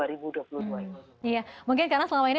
iya mungkin karena selama ini